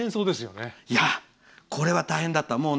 これは大変だった。